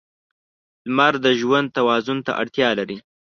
• لمر د ژوند توازن ته اړتیا لري.